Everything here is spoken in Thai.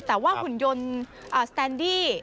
แต่ว่าหุ่นยนต์สแตนดี้